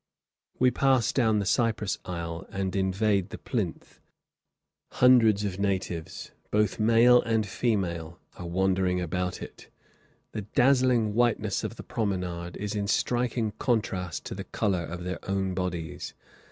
We pass down the cypress aisle, and invade the plinth. Hundreds of natives, both male and female, are wandering about it. The dazzling whiteness of the promenade is in striking contrast to the color of their own bodies.